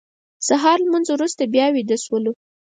د سهار لمونځ وروسته بیا ویده شولو.